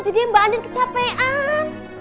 jadi mbak anin kecapean